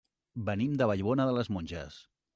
Venim de Vallbona de les Monges.